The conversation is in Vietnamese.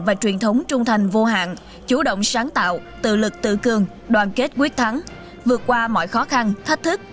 và truyền thống trung thành vô hạn chủ động sáng tạo tự lực tự cường đoàn kết quyết thắng vượt qua mọi khó khăn thách thức